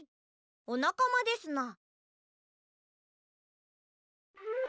おなかまですな。